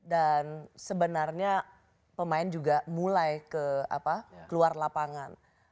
dan sebenarnya pemain juga mulai keluar lapangan